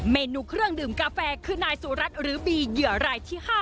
เมนูเครื่องดื่มกาแฟคือนายสุรัตน์หรือบีเหยื่อรายที่๕